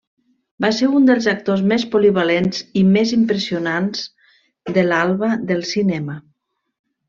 Va ser un dels actors més polivalents i més impressionants de l'alba del cinema.